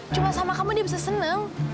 cuma sama kamu dia bisa senang